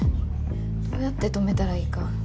どうやって止めたらいいか。